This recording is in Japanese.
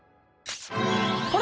あれ？